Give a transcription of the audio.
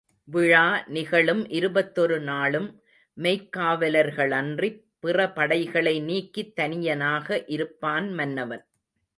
விழா நிகழும் இருபத்தொரு நாளும் மெய்காவலர்களன்றிப் பிறபடைகளை நீக்கித் தனியனாக இருப்பான் மன்னவன்.